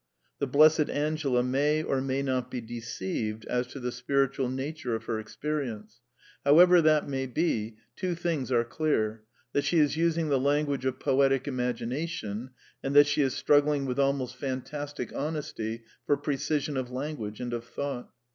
The Blessed Angela may or may not be deceived as to the spiritual nature of her experience; how ever that may be, two things are clear: that she is using the language of poetic imagination, and that she is strug gling with almost fantastic honesty for precision of lan guage and of thought.